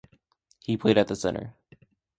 He played at Centre.